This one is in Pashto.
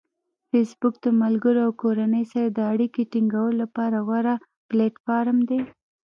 فېسبوک د ملګرو او کورنۍ سره د اړیکې ټینګولو لپاره غوره پلیټفارم دی.